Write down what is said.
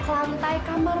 belum punya acara bahaya